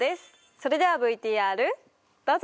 それではＶＴＲどうぞ！